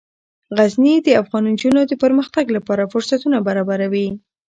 غزني د افغان نجونو د پرمختګ لپاره فرصتونه برابروي.